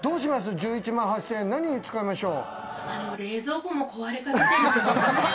１１万８０００円、何に使いましょう？